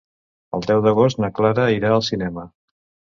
El deu d'agost na Clara irà al cinema.